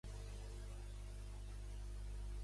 Igualment, no té ment per constituir una "mens rea".